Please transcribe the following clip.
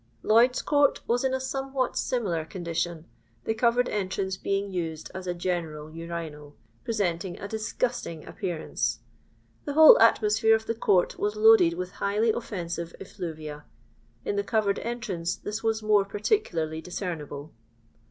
"Lloyd's court was in a somewhat similar condition, the covered entrance being used as a general urinal, presenting a disgusting appearance ; the whole atmosphere of the court was loaded with highly offensive effluvia ; in the covered entrance this was more particularly discernible.